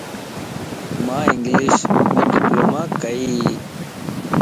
مان انگلشم ڊپلو ماڪين يَ